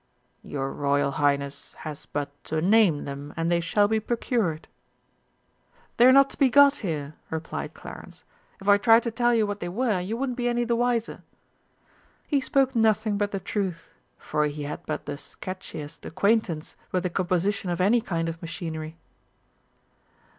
"Your Royal Highness has but to name them, and they shall be procured." "They're not to be got here," replied Clarence. "If I tried to tell you what they were, you wouldn't be any the wiser!" He spoke nothing but the truth, for he had but the sketchiest acquaintance with the composition of any kind of machinery.